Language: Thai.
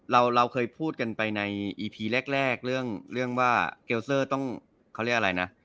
เราเคยพูดกันไปในอีพีแรกเรื่องว่าเกลเซอร์ต้องเขาเรียกอะไรนะ